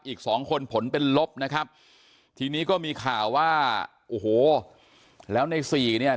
อีกสองคนผลเป็นลบนะครับทีนี้ก็มีข่าวว่าโอ้โหแล้วในสี่เนี่ย